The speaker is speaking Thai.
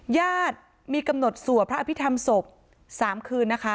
ญาติมีกำหนดสวดพระอภิษฐรรมศพ๓คืนนะคะ